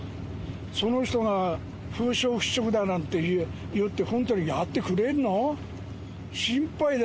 その人が風評払拭だなんていって、本当にやってくれんの？